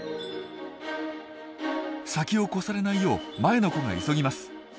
先を越されないよう前の子が急ぎます。